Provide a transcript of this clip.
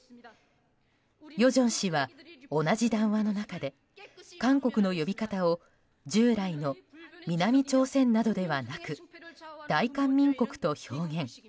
与正氏は同じ談話の中で韓国の呼び方を従来の南朝鮮などではなく大韓民国と表現。